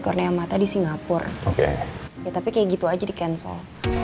kornea mata di singapura ya tapi kayak gitu aja di cancel